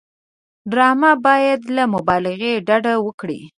ډرامه باید له مبالغې ډډه وکړي